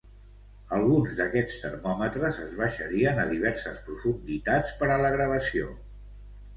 Alguns d"aquests termòmetres es baixarien a diverses profunditats per a la gravació.